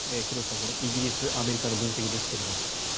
廣瀬さん、イギリス、アメリカの分析ですけれど。